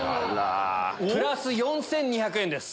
プラス４２００円です。